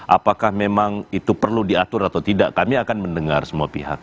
apakah memang itu perlu diatur atau tidak kami akan mendengar semua pihak